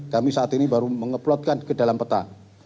kami saat ini baru mengeplotkan ke dalam peta